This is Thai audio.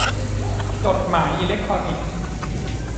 จดหมายอิเล็กทรอนิกส์